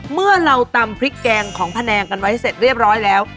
เมื่อเราตำพริกแกงของแผนงกันไว้เสร็จเรียบร้อยแล้ว